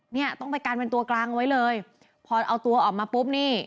เนี่ยต้องไปกันเป็นตัวกลางเอาไว้เลยพอเอาตัวออกมาปุ๊บนี่